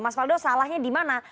mas faldo salahnya di mana